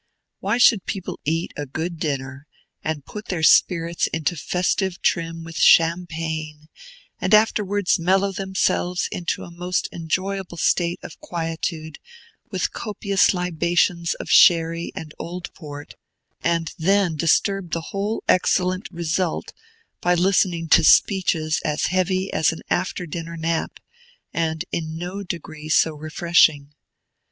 Why should people eat a good dinner, and put their spirits into festive trim with Champagne, and afterwards mellow themselves into a most enjoyable state of quietude with copious libations of Sherry and old Port, and then disturb the whole excellent result by listening to speeches as heavy as an after dinner nap, and in no degree so refreshing?